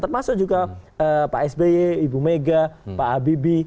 termasuk juga pak sby ibu mega pak habibie